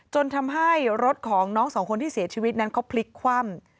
จนทำให้รถของน้องสองคนที่เสียชีวิตนั้นเขาพลิกคว่ำ